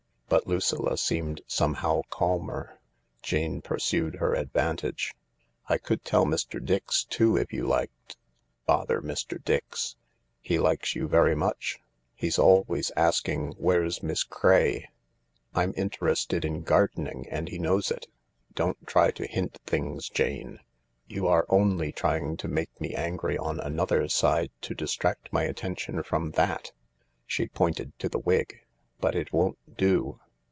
But Lucilla seemed somehow calmer. Jane pursued her advantage. " I could tell Mr. Dix too, if you liked." " Bother Mr, Dix." "He likes you very much. He's always asking where 's Miss Craye," " I'm interested in gardening, and he knows it. Don't try to hint things, Jane. You are only trying to make me angry on another side to distract my attention from thai" She pointed to the wig. " But it won't do.